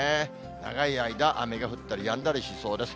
長い間、雨が降ったりやんだりしそうです。